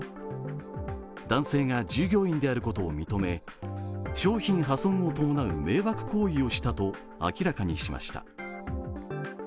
男性が従業員であることを認め、商品破損を伴う迷惑行為をしたと明らかにしました。